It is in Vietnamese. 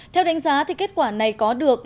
theo đánh giá kết quả này có được